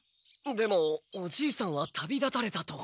でもおじいさんは旅立たれたと。